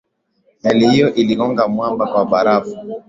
meli hiyo iligonga mwamba wa barafu